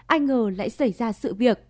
ai ngờ lại xảy ra sự việc